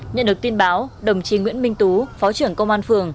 nhận được tin báo đồng chí nguyễn minh tú phó trưởng công an phường